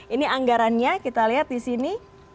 ini anggarannya kita lihat di sini